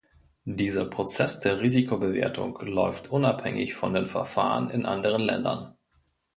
Dieser Prozess der Risikobewertung läuft unabhängig von den Verfahren in anderen Ländern.